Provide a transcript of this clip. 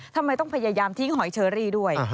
ทำไมต้องพยายามทิ้งหอยเชอรี่ด้วย